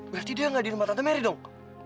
berarti dia gak di rumah tante merry dong